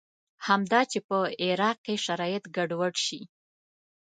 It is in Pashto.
همدا چې په عراق کې شرایط ګډوډ شي.